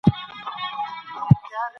که د ولور اندازه کمه وي، نو ودونه اسانېږي.